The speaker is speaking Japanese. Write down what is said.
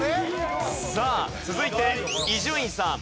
さあ続いて伊集院さん。